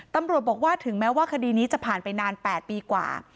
ตำรวจบอกว่าถึงแม้ว่าคดีนี้จะผ่านไปนาน๘ปีกว่า